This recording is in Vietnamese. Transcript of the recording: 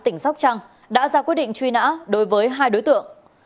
tỉnh sóc trăng đã ra quyết định truy nã đối với hai đối tượng